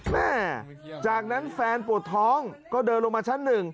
แม่จากนั้นแฟนปวดท้องก็เดินลงมาชั้นหนึ่ง